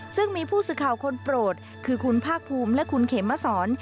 ซึ่งมีผู้สื่อข่าวคนโปรดคือคุณภาคภูมิและคุณเขมสอน